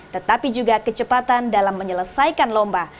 tetapi juga kecepatan dalam menyelesaikan lomba